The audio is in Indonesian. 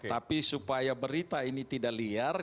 tapi supaya berita ini tidak liar